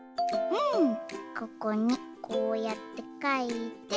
ここにこうやってかいて。